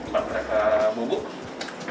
kalau mereka bubuk